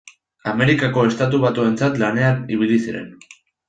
Amerikako Estatu Batuentzat lanean ibili ziren.